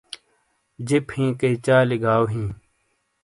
جِپ ہِیں کیئی چالی گاٶ ہِیں